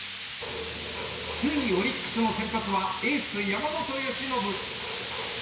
首位オリックスの先発はエース、山本由伸。